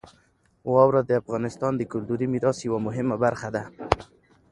واوره د افغانستان د کلتوري میراث یوه مهمه برخه ده.